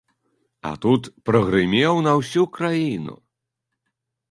А тут прагрымеў на ўсю краіну.